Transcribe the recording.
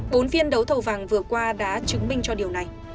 bốn phiên đấu thầu vàng vừa qua đã chứng minh cho điều này